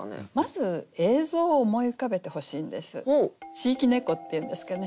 地域猫っていうんですかね